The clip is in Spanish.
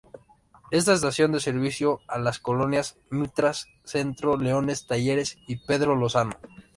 Esta estación da servicio a las Colonias Mitras Centro, Leones, Talleres y Pedro Lozano.